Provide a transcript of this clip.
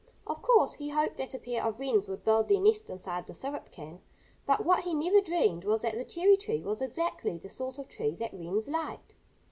Of course, he hoped that a pair of wrens would build their nest inside the syrup can. But what he never dreamed was that the cherry tree was exactly the sort of tree that wrens liked.